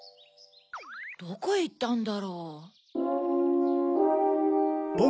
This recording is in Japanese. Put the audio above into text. どこへいったんだろう？